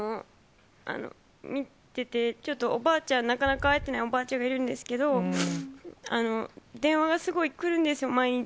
見ててちょっとおばあちゃん、なかなか会えていないおばあちゃんがいるんですけれども、電話がすごい来るんですよ、毎日。